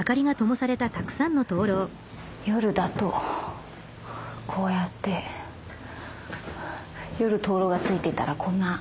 夜だとこうやって夜灯籠がついてたらこんなイメージなんだね。